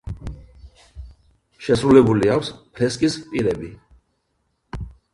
შესრულებული აქვს ფრესკის პირები.